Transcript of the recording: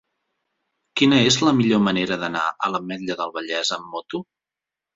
Quina és la millor manera d'anar a l'Ametlla del Vallès amb moto?